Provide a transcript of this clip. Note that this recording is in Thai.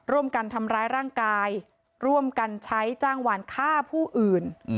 ร่วมกันทำร้ายร่างกายร่วมกันใช้จ้างหวานฆ่าผู้อื่น